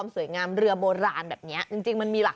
มองกระแท้นะ